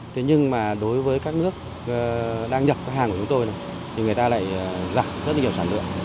thế nhưng mà đối với các nước đang nhập hàng của chúng tôi thì người ta lại giảm rất là nhiều sản lượng